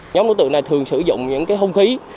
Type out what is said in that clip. nhóm đối tượng này thường sử dụng những hung khí